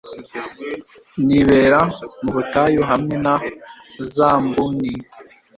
nibera mu butayu hamwe na za mbuni